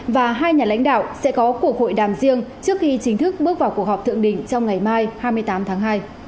và hai nhà lãnh đạo sẽ có cuộc hội đàm riêng trước khi chính thức bước vào cuộc họp thượng đỉnh trong ngày mai hai mươi tám tháng hai